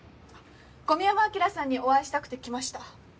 小宮山アキラさんにお会いしたくて来ました。